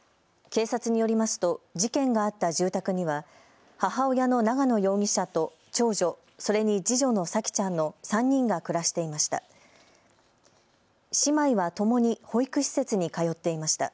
警察によりますと事件があった住宅には母親の長野容疑者と長女、それに次女の沙季ちゃんの３人が暮らしていました。